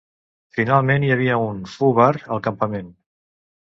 Finalment hi havia un Foo Bar al campament.